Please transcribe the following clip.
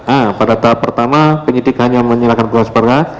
a pada tahap pertama penyidik hanya menyerahkan berkas perka